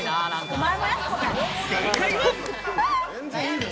正解は。